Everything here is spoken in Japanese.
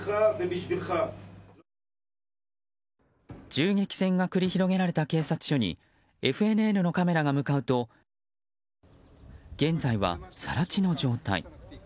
銃撃戦が繰り広げられた警察署にＦＮＮのカメラが向かうと現在は更地の状態。